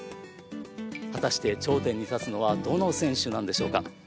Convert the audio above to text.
果たして頂点に立つのはどの選手なんでしょうか。